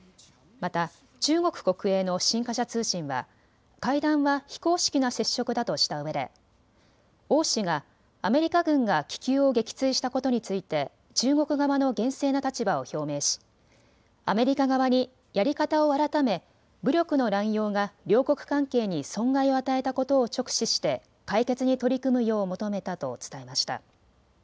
また中国国営の新華社通信は会談は非公式な接触だとしたうえで王氏がアメリカ軍が気球を撃墜したことについて中国側の厳正な立場を表明しアメリカ側にやり方を改め武力の乱用が両国関係に損害を与えたことを直視して解決に取り組むよう求めたと伝えました。